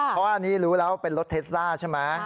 เพราะว่าอันนี้รู้แล้วเป็นรถเทสล่าใช่ไหม